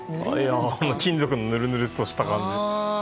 金属のぬるぬるっとした感じ。